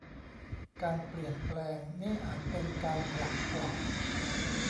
การเปลี่ยนแปลง นี่อาจเป็น การผลักกล่อง